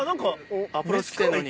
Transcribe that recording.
アプローチ来てんのに。